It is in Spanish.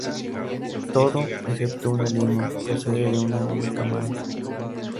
Todo, excepto una línea, procede de una única mano.